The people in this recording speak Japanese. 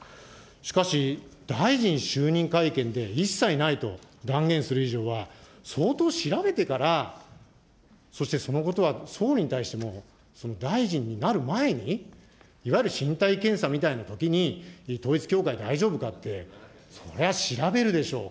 しかし、大臣就任会見で一切ないと断言する以上は、相当調べてから、そしてそのことは総理に対しても、大臣になる前に、いわゆる身体検査みたいなときに、統一教会大丈夫かって、それは調べるでしょう。